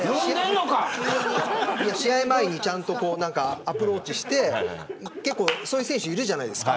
試合前にちゃんとアプローチして結構そういう選手いるじゃないですか。